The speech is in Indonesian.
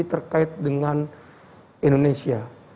terkait dengan indonesia